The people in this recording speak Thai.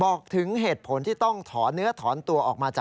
บอกถึงเหตุผลที่ต้องถอนเนื้อถอนตัวออกมาจาก